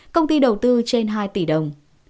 công ty đầu tư trên hai tỷ đồng